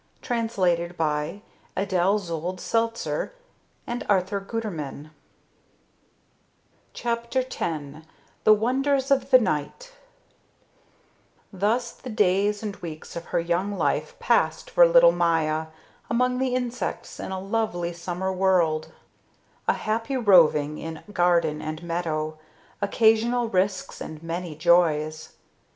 It was a joy to be alive. CHAPTER X THE WONDERS OF THE NIGHT Thus the days and weeks of her young life passed for little Maya among the insects in a lovely summer world a happy roving in garden and meadow, occasional risks and many joys.